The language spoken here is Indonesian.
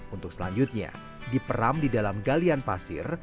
untuk selanjutnya diperam di dalam galian pasir